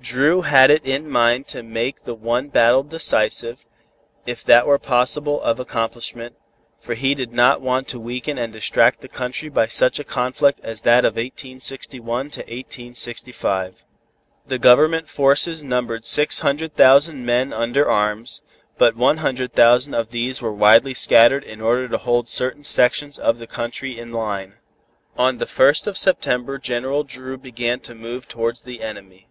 Dru had it in mind to make the one battle decisive, if that were possible of accomplishment, for he did not want to weaken and distract the country by such a conflict as that of 1861 to 1865. The Government forces numbered six hundred thousand men under arms, but one hundred thousand of these were widely scattered in order to hold certain sections of the country in line. On the first of September General Dru began to move towards the enemy.